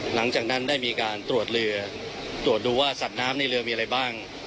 หลังจากนั้นได้มีการตรวจเรือตรวจดูว่าสัตว์น้ำในเรือมีอะไรบ้าง